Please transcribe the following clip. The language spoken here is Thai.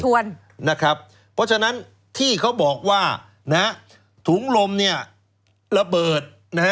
เพราะฉะนั้นที่เขาบอกว่าถุงลมระเบิด